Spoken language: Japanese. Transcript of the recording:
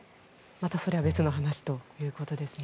またそれは別の話ということですね。